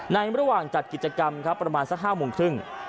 ในระหว่างจัดกิจกรรมครับประมาณสัก๕โมงครึ่ง